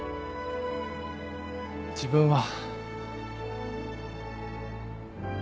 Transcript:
自分は。